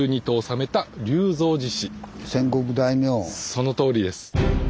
そのとおりです。